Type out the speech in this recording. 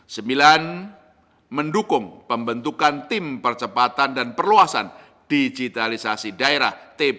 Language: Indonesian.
sembilan mendukung pembentukan tim percepatan dan perluasan digitalisasi daerah